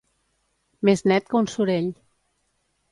Més net que un sorell.